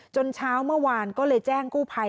เช้าเมื่อวานก็เลยแจ้งกู้ภัย